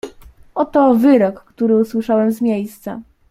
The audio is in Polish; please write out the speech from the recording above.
"Oto wyrok, który usłyszałem z miejsca."